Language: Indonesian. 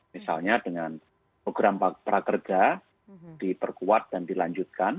misalnya dengan program prakerja diperkuat dan dilanjutkan